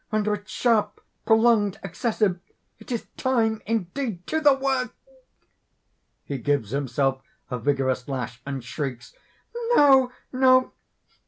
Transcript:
Render it sharp, prolonged, excessive! It is time, indeed! to the work!" (He gives himself a vigorous lash and shrieks.) "No! no!